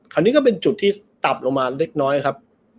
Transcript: ก็เป็นจุดที่ตับลงมาเล็กน้อยครับ